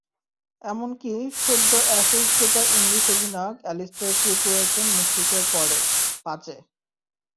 এমনকি সদ্য অ্যাশেজ জেতা ইংলিশ অধিনায়ক অ্যালিস্টার কুক রয়েছেন মুশফিকের পরে, পাঁচে।